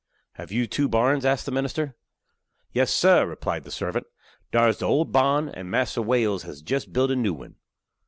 "Have you two barns?" asked the minister. "Yes, sah," replied the servant; "dar's de old barn, and Mas'r Wales has jest built a new one."